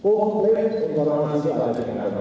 kukumplir pengorbanan saya tidak ada di dalamnya